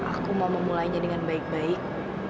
aku mau memulainya dengan baik baik